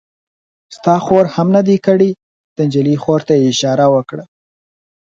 ستا خور هم نه دی کړی؟ د نجلۍ خور ته یې اشاره وکړه.